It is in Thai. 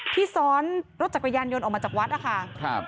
ซ้อนรถจักรยานยนต์ออกมาจากวัดนะคะ